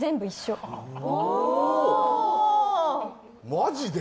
マジで？